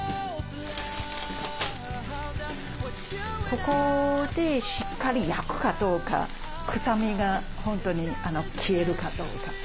ここでしっかり焼くかどうか臭みが消えるかどうか。